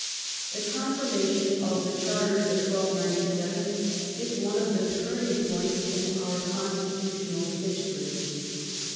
The Confirmation of the Charters of 1297 is one of the turning points in our constitutional history.